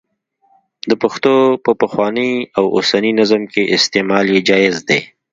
د پښتو په پخواني او اوسني نظم کې استعمال یې جائز دی.